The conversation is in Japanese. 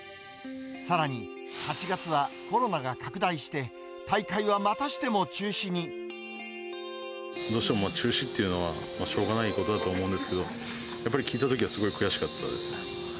さらに、８月はコロナが拡大して、どうしても中止というのは、しょうがないことだと思うんですけど、やっぱり聞いたときは、すごい悔しかったですね。